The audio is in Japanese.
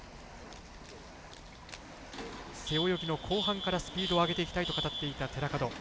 背泳ぎの後半からスピードを上げていきたいと語っていた寺門。